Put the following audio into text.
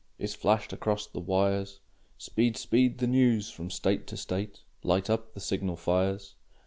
Is flashed across the wires; Speed, speed the news from State to State, Light up the signal fires!